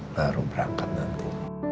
baru berangkat nanti